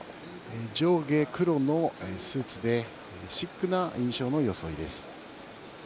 上下黒のスーツでシックな印象の装いです。